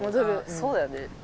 そうだよね。